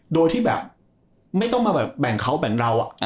โดยที่แบบไม่ต้องมาแบบแบ่งเขาแบ่งเรา